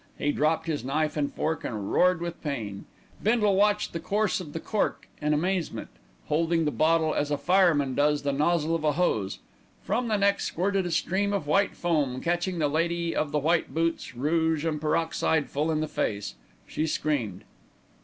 He dropped his knife and fork and roared with pain. Bindle watched the course of the cork in amazement, holding the bottle as a fireman does the nozzle of a hose. From the neck squirted a stream of white foam, catching the lady of the white boots, rouge and peroxide full in the face. She screamed.